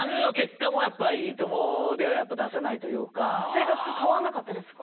生活変わんなかったですか？